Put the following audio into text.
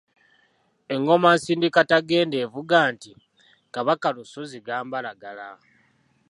Engoma Nsindikatagenda evuga nti “Kabaka Lusozi Gambalagala.”